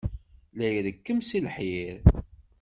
La irekkem seg lḥir.